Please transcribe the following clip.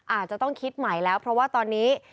อาจจะต้องคิดใหม่แล้วเพราะว่าตอนนี้